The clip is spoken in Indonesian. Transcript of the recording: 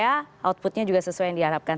dan saya outputnya juga sesuai yang diharapkan